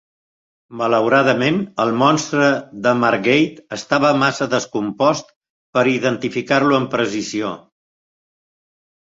Malauradament, el "monstre de Margate" estava massa descompost per identificar-lo amb precisió.